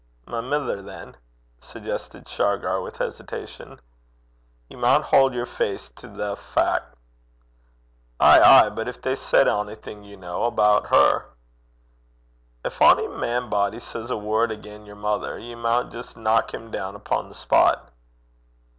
'My mither, than?' suggested Shargar, with hesitation. 'Ye maun haud yer face to the fac'.' 'Ay, ay. But gin they said onything, ye ken aboot her.' 'Gin ony man body says a word agen yer mither, ye maun jist knock him doon upo' the spot.'